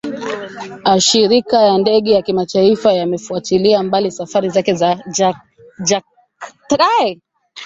ashirika ya ndege ya kimataifa yamefutilia mbali safari zake za jarkarta